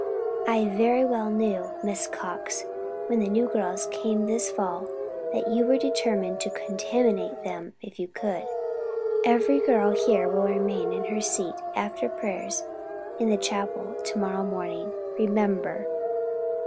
"I very well knew, Miss Cox, when the new girls came this fall that you were determined to contaminate them if you could. Every girl here will remain in her seat after prayers in the chapel to morrow morning. Remember!"